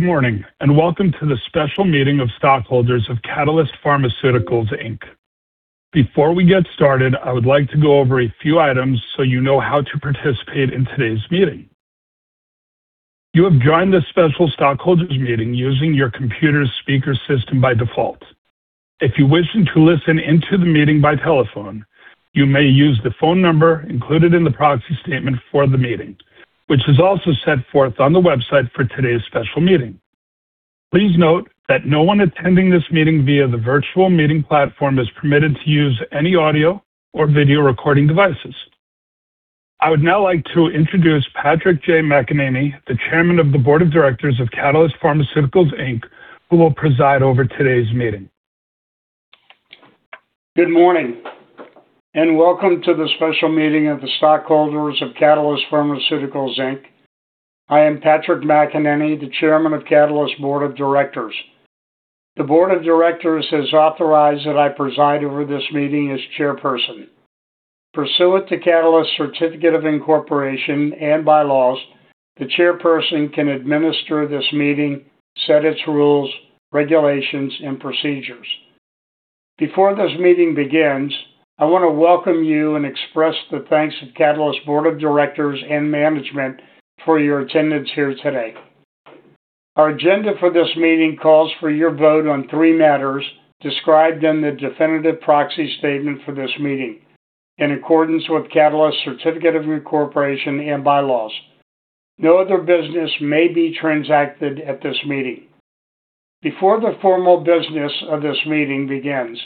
Good morning, and welcome to the special meeting of stockholders of Catalyst Pharmaceuticals, Inc. Before we get started, I would like to go over a few items so you know how to participate in today's meeting. You have joined the special stockholders meeting using your computer's speaker system by default. If you wish to listen in to the meeting by telephone, you may use the phone number included in the proxy statement for the meeting, which is also set forth on the website for today's special meeting. Please note that no one attending this meeting via the virtual meeting platform is permitted to use any audio or video recording devices. I would now like to introduce Patrick J. McEnany, the Chairman of the Board of Directors of Catalyst Pharmaceuticals, Inc., who will preside over today's meeting. Good morning, and welcome to the special meeting of the stockholders of Catalyst Pharmaceuticals, Inc. I am Patrick McEnany, the Chairman of Catalyst's Board of Directors. The board of directors has authorized that I preside over this meeting as chairperson. Pursuant to Catalyst's certificate of incorporation and bylaws, the chairperson can administer this meeting, set its rules, regulations, and procedures. Before this meeting begins, I want to welcome you and express the thanks of Catalyst's board of directors and management for your attendance here today. Our agenda for this meeting calls for your vote on three matters described in the definitive proxy statement for this meeting. In accordance with Catalyst's certificate of incorporation and bylaws, no other business may be transacted at this meeting. Before the formal business of this meeting begins,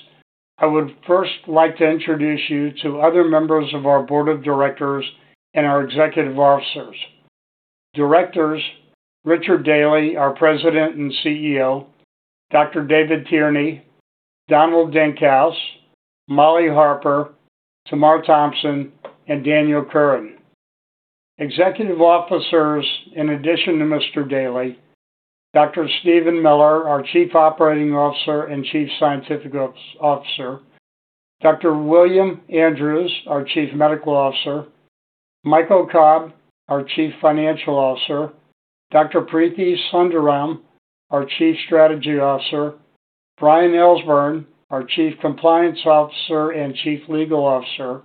I would first like to introduce you to other members of our board of directors and our executive officers. Directors, Richard Daly, our President and CEO, Dr. David Tierney, Donald Denkhaus, Molly Harper, Tamar Thompson, and Daniel J. Curran. Executive officers, in addition to Mr. Daly, Dr. Steven Miller, our Chief Operating Officer and Chief Scientific Officer, Dr. William Andrews, our Chief Medical Officer, Michael Kalb, our Chief Financial Officer, Dr. Preethi Sundaram, our Chief Strategy Officer, Brian Elsbernd, our Chief Compliance Officer and Chief Legal Officer,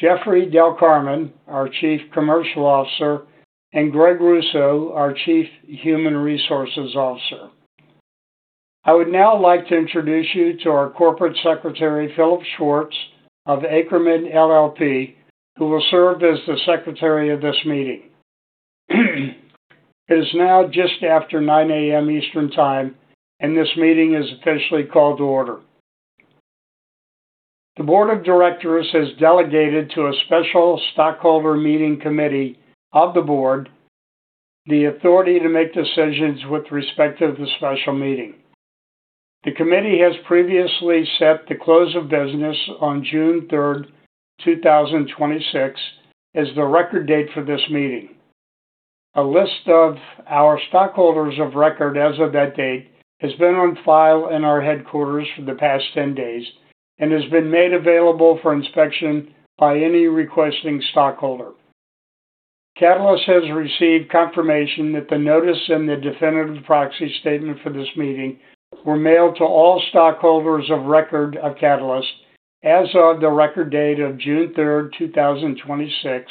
Jeffrey Del Carmen, our Chief Commercial Officer, and Greg Russo, our Chief Human Resources Officer. I would now like to introduce you to our Corporate Secretary, Philip Schwartz of Akerman LLP, who will serve as the secretary of this meeting. It is now just after 9:00 A.M. Eastern Time, and this meeting is officially called to order. The board of directors has delegated to a special stockholder meeting committee of the board the authority to make decisions with respect to the special meeting. The committee has previously set the close of business on June 3rd, 2026, as the record date for this meeting. A list of our stockholders of record as of that date has been on file in our headquarters for the past 10 days and has been made available for inspection by any requesting stockholder. Catalyst has received confirmation that the notice and the definitive proxy statement for this meeting were mailed to all stockholders of record of Catalyst as of the record date of June 3rd, 2026,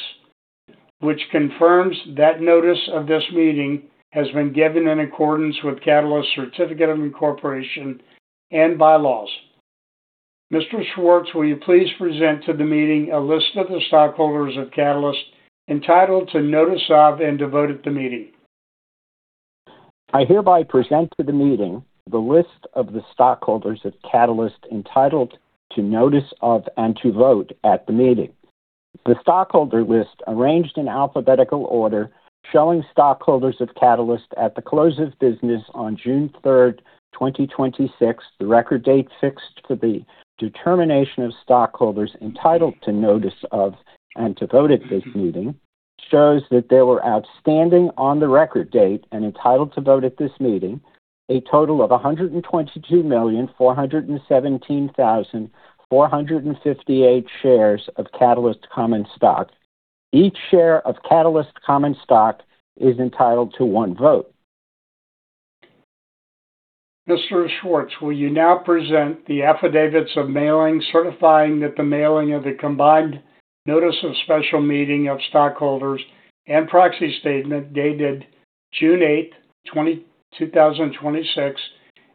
which confirms that notice of this meeting has been given in accordance with Catalyst's certificate of incorporation and bylaws. Mr. Schwartz, will you please present to the meeting a list of the stockholders of Catalyst entitled to notice of and to vote at the meeting? I hereby present to the meeting the list of the stockholders of Catalyst entitled to notice of and to vote at the meeting. The stockholder list, arranged in alphabetical order, showing stockholders of Catalyst at the close of business on June 3rd, 2026, the record date fixed for the determination of stockholders entitled to notice of and to vote at this meeting, shows that there were outstanding on the record date and entitled to vote at this meeting, a total of 122,417,458 shares of Catalyst common stock. Each share of Catalyst common stock is entitled to one vote. Mr. Schwartz, will you now present the affidavits of mailing certifying that the mailing of a combined notice of special meeting of stockholders and proxy statement dated June 8th, 2026,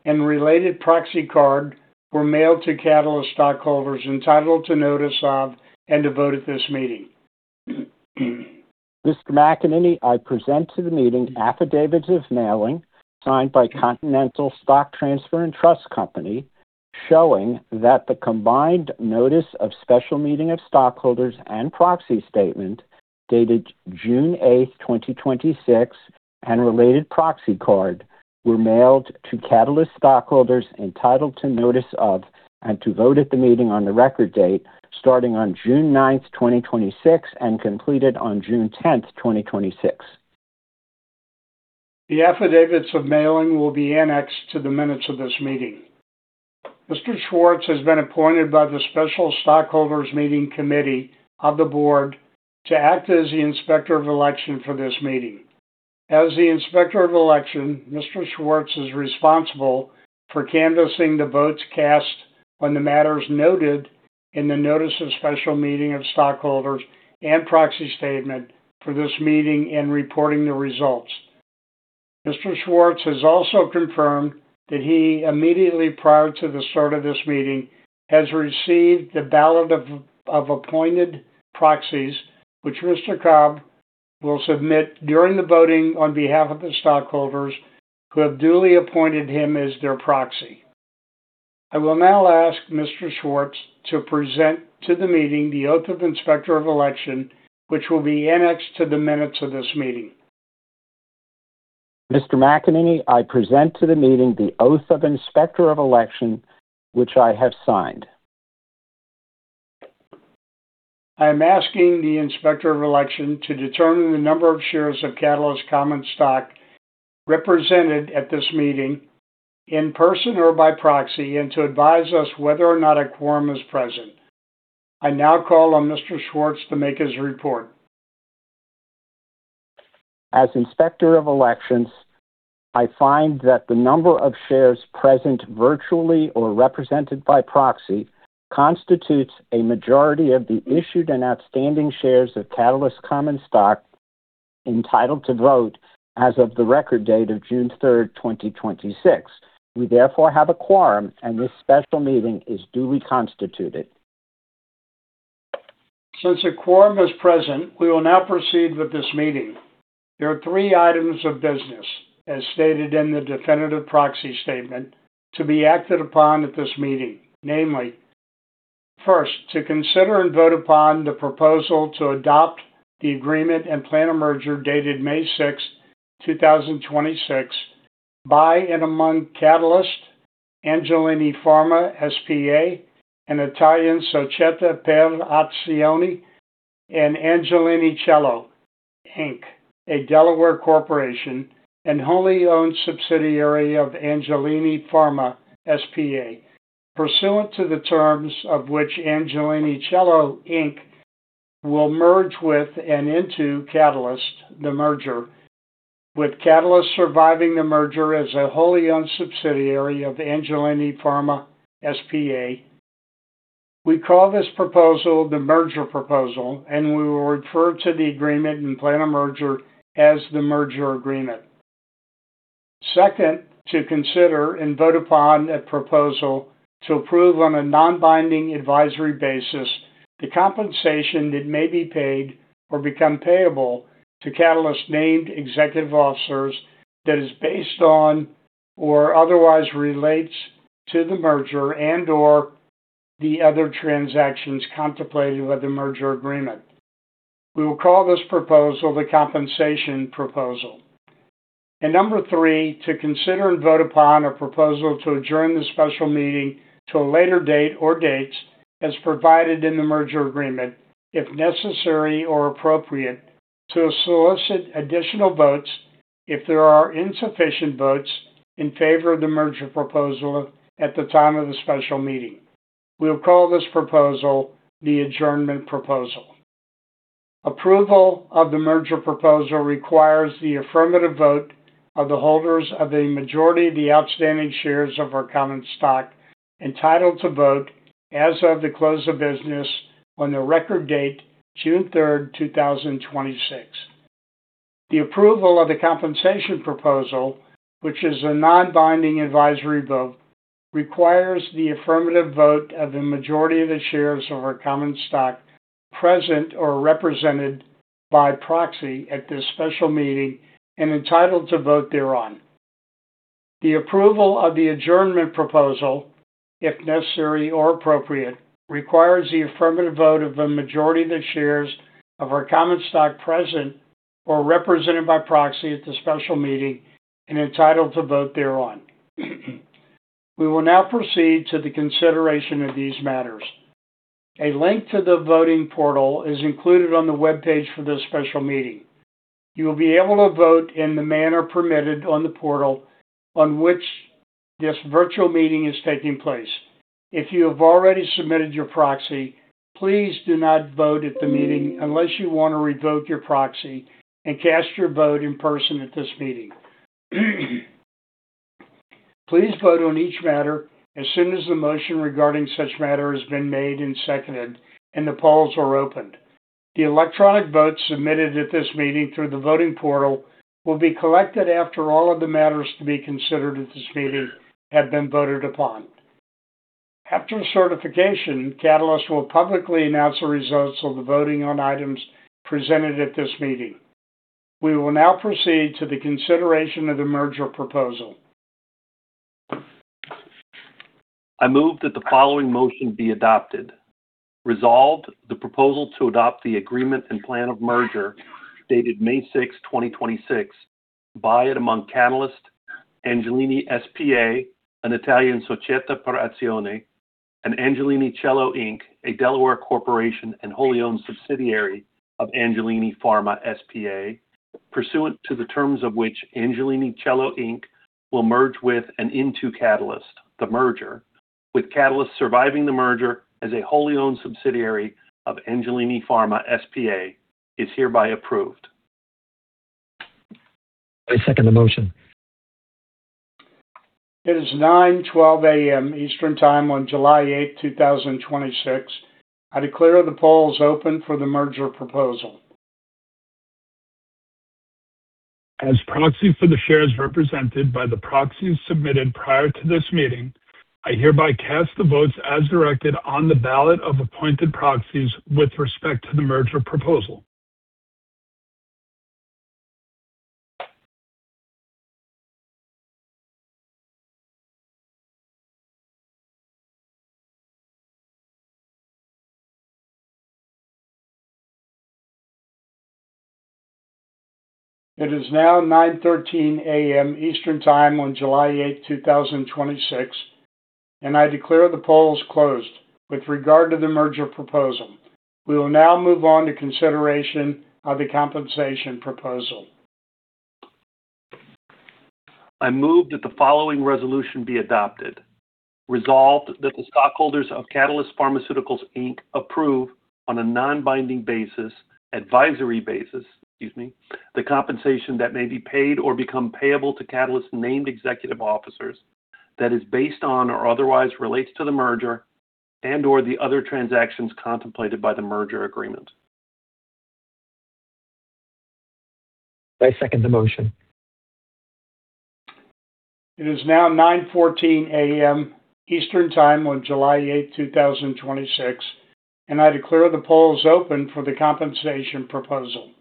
and related proxy card were mailed to Catalyst stockholders entitled to notice of and to vote at this meeting? Mr. McEnany, I present to the meeting affidavits of mailing signed by Continental Stock Transfer & Trust Company, showing that the combined notice of special meeting of stockholders and proxy statement dated June 8th, 2026, and related proxy card were mailed to Catalyst stockholders entitled to notice of and to vote at the meeting on the record date starting on June 9th, 2026, and completed on June 10th, 2026. The affidavits of mailing will be annexed to the minutes of this meeting. Mr. Schwartz has been appointed by the special stockholders meeting committee of the board to act as the Inspector of Election for this meeting. As the Inspector of Election, Mr. Schwartz is responsible for canvassing the votes cast on the matters noted in the notice of special meeting of stockholders and proxy statement for this meeting and reporting the results. Mr. Schwartz has also confirmed that he, immediately prior to the start of this meeting, has received the ballot of appointed proxies, which Mr. Kalb will submit during the voting on behalf of the stockholders who have duly appointed him as their proxy. I will now ask Mr. Schwartz to present to the meeting the oath of Inspector of Election, which will be annexed to the minutes of this meeting. Mr. McEnany, I present to the meeting the oath of Inspector of Election, which I have signed. I am asking the Inspector of Election to determine the number of shares of Catalyst's common stock represented at this meeting, in person or by proxy, and to advise us whether or not a quorum is present. I now call on Mr. Schwartz to make his report. As Inspector of Elections, I find that the number of shares present virtually or represented by proxy constitutes a majority of the issued and outstanding shares of Catalyst common stock entitled to vote as of the record date of June 3rd, 2026. We therefore have a quorum, and this special meeting is duly constituted. Since a quorum is present, we will now proceed with this meeting. There are three items of business, as stated in the definitive proxy statement, to be acted upon at this meeting. Namely, First, to consider and vote upon the proposal to adopt the agreement and plan of merger dated May 6th, 2026, by and among Catalyst, Angelini Pharma S.p.A., an Italian Società per Azioni, and Angelini Cello, Inc., a Delaware corporation, and wholly owned subsidiary of Angelini Pharma S.p.A., pursuant to the terms of which Angelini Cello, Inc. will merge with and into Catalyst, the merger, with Catalyst surviving the merger as a wholly owned subsidiary of Angelini Pharma S.p.A.. We call this proposal the merger proposal. We will refer to the agreement and plan of merger as the merger agreement. Second, to consider and vote upon a proposal to approve on a non-binding advisory basis the compensation that may be paid or become payable to Catalyst's named executive officers that is based on or otherwise relates to the merger and/or the other transactions contemplated by the merger agreement. We will call this proposal the compensation proposal. Number three, to consider and vote upon a proposal to adjourn the special meeting to a later date or dates as provided in the merger agreement, if necessary or appropriate, to solicit additional votes if there are insufficient votes in favor of the merger proposal at the time of the special meeting. We will call this proposal the adjournment proposal. Approval of the merger proposal requires the affirmative vote of the holders of a majority of the outstanding shares of our common stock entitled to vote as of the close of business on the record date June 3rd, 2026. The approval of the compensation proposal, which is a non-binding advisory vote, requires the affirmative vote of the majority of the shares of our common stock present or represented by proxy at this special meeting and entitled to vote thereon. The approval of the adjournment proposal, if necessary or appropriate, requires the affirmative vote of a majority of the shares of our common stock present or represented by proxy at the special meeting and entitled to vote thereon. We will now proceed to the consideration of these matters. A link to the voting portal is included on the webpage for this special meeting. You will be able to vote in the manner permitted on the portal on which this virtual meeting is taking place. If you have already submitted your proxy, please do not vote at the meeting unless you want to revoke your proxy and cast your vote in person at this meeting. Please vote on each matter as soon as the motion regarding such matter has been made and seconded and the polls are opened. The electronic votes submitted at this meeting through the voting portal will be collected after all of the matters to be considered at this meeting have been voted upon. After certification, Catalyst will publicly announce the results of the voting on items presented at this meeting. We will now proceed to the consideration of the merger proposal. I move that the following motion be adopted. Resolved, the proposal to adopt the agreement and plan of merger dated May 6th, 2026, by and among Catalyst, Angelini S.p.A., an Italian Società per Azioni Angelini Cello Inc, a Delaware corporation and wholly owned subsidiary of Angelini Pharma S.p.A., pursuant to the terms of which Angelini Cello Inc will merge with and into Catalyst, the merger, with Catalyst surviving the merger as a wholly owned subsidiary of Angelini Pharma S.p.A., is hereby approved. I second the motion. It is 9:12 A.M. Eastern Time on July 8th, 2026. I declare the polls open for the merger proposal. As proxy for the shares represented by the proxies submitted prior to this meeting, I hereby cast the votes as directed on the ballot of appointed proxies with respect to the merger proposal. It is now 9:13 A.M. Eastern Time on July 8, 2026. I declare the polls closed with regard to the merger proposal. We will now move on to consideration of the compensation proposal. I move that the following resolution be adopted. Resolved that the stockholders of Catalyst Pharmaceuticals, Inc. approve on a non-binding basis, advisory basis, excuse me, the compensation that may be paid or become payable to Catalyst's named executive officers that is based on or otherwise relates to the merger and/or the other transactions contemplated by the merger agreement. I second the motion. It is now 9:14 A.M. Eastern Time on July 8, 2026. I declare the polls open for the compensation proposal.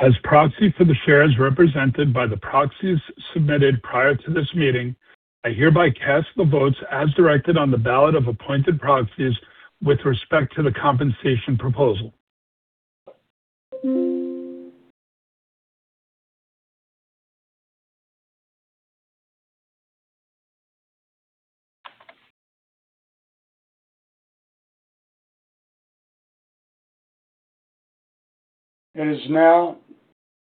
As proxy for the shares represented by the proxies submitted prior to this meeting, I hereby cast the votes as directed on the ballot of appointed proxies with respect to the compensation proposal. It is now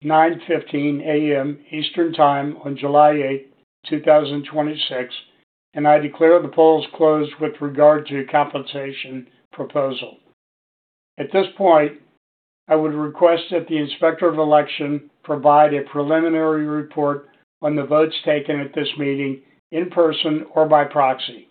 9:15 A.M. Eastern Time on July eighth, 2026. I declare the polls closed with regard to compensation proposal. At this point, I would request that the Inspector of Election provide a preliminary report on the votes taken at this meeting in person or by proxy.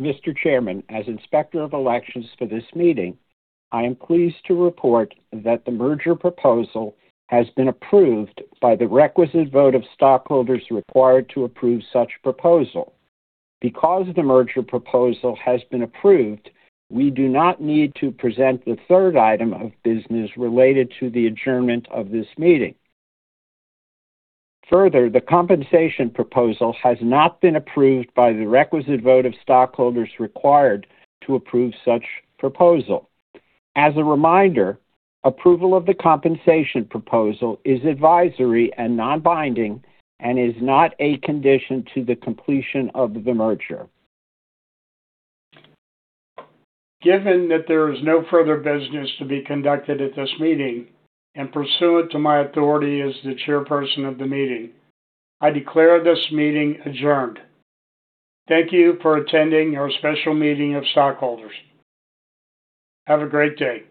Mr. Chairman, as Inspector of Elections for this meeting, I am pleased to report that the merger proposal has been approved by the requisite vote of stockholders required to approve such proposal. The merger proposal has been approved, we do not need to present the third item of business related to the adjournment of this meeting. Further, the compensation proposal has not been approved by the requisite vote of stockholders required to approve such proposal. As a reminder, approval of the compensation proposal is advisory and non-binding and is not a condition to the completion of the merger. Given that there is no further business to be conducted at this meeting, pursuant to my authority as the chairperson of the meeting, I declare this meeting adjourned. Thank you for attending our special meeting of stockholders. Have a great day.